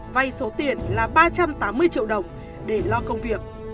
vay số tiền là ba trăm tám mươi triệu đồng để lo công việc